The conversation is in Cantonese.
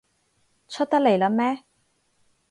出得嚟喇咩？